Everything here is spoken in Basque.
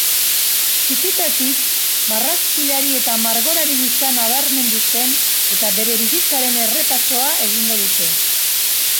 Txikitatik marrazkilari eta margolari gisa nabarmendu zen eta bere bizitzaren errepasoa egingo dute.